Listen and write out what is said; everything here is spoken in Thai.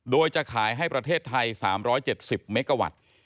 โดยจะขายให้ประเทศไทย๓๗๐เมกาวัตต์